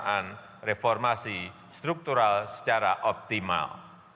pelaksanaan reformasi struktural secara optimal